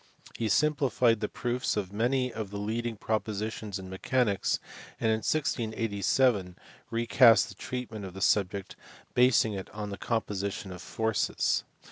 He simplified the proofs of many of the leading propositions in mechanics, and in 1687 recast the treatment of the subject, basing it on the composition of forces (see above, p.